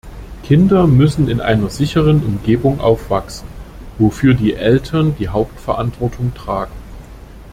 Kinder müssen in einer sicheren Umgebung aufwachsen, wofür die Eltern die Hauptverantwortung tragen.